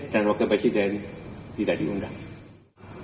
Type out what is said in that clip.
dan wakil presiden tidak diundang